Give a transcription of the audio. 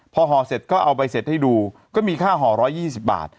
พอห่อเสร็จก็เอาใบเสร็จให้ดูก็มีค่าห่อ๑๒๐บาท